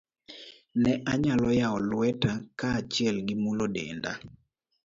Ne anyalo yawo lweta kaachiel gi mulo dende.